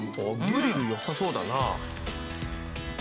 グリルよさそうだな。